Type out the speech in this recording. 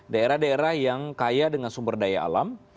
daerah daerah yang kaya dengan sumber daya alam